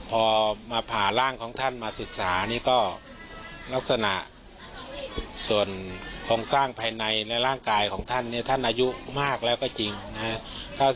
พอมาผ่าร่างของท่านมาศึกษานี่ก็ลักษณะส่วนโครงสร้างภายในและร่างกายของท่านเนี่ยท่านอายุมากแล้วก็จริงนะครับ